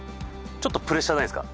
ちょっとプレッシャーないですか？